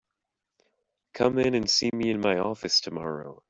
Come in and see me in my office tomorrow.